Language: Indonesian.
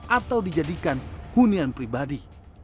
atau dijadikan hunian pribadi